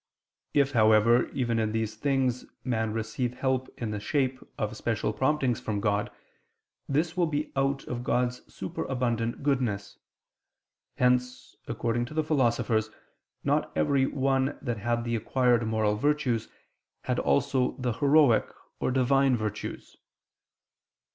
If, however, even in these things man receive help in the shape of special promptings from God, this will be out of God's superabundant goodness: hence, according to the philosophers, not every one that had the acquired moral virtues, had also the heroic or divine virtues.